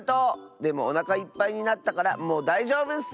でもおなかいっぱいになったからもうだいじょうぶッス！